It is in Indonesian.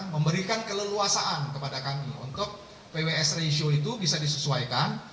memberikan keleluasaan kepada kami untuk pws ratio itu bisa disesuaikan